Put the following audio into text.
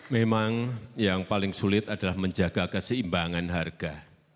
memang yang paling sulit adalah menjaga keseimbangan harga